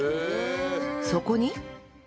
そこに